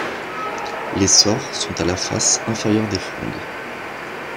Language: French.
Les sores sont à la face inférieure des frondes.